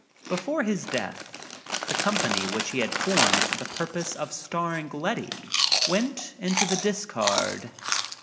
Before his death the company which he had formed for the purpose of starring Letty went into the discard.